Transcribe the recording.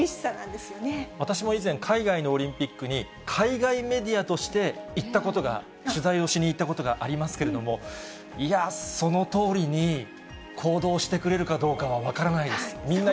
私も以前、海外のオリンピックに海外メディアとして行ったことが、取材をしに行ったことがありますけれども、いや、そのとおりに行動してくれるかどうかは分からないです。